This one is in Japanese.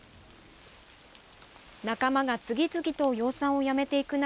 仲間が次々と養蚕を辞めていく中